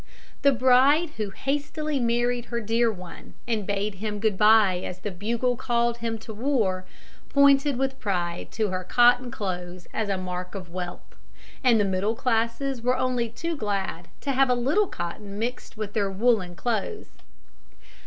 The bride who hastily married her dear one and bade him good by as the bugle called him to the war, pointed with pride to her cotton clothes as a mark of wealth; and the middle classes were only too glad to have a little cotton mixed with their woollen clothes. [Illustration: WHERE BEER WAS ONLY FIVE CENTS PER GLASS.